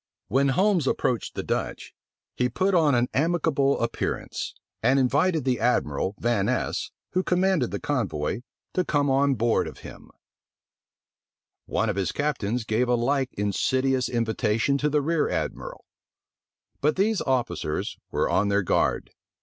When Holmes approached the Dutch, he put on an amicable appearance, and invited the admiral Van Ness, who commanded the convoy, to come on board of him: one of his captains gave a like insidious invitation to the rear admiral. But these officers were on their guard.